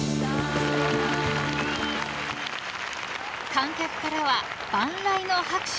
［観客からは万雷の拍手］